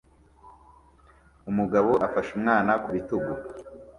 Umugabo afashe umwana ku bitugu